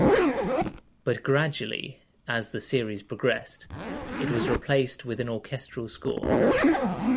But gradually, as the series progressed, it was replaced with an orchestral score.